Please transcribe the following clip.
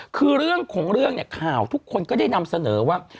คือเรื่องของเรื่องเนี่ยข่าวทุกคนก็ได้นำเสนอว่า